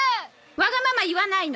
わがまま言わないの。